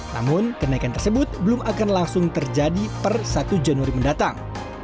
namun kenaikan tersebut belum akan langsung terjadi per satu januari mendatang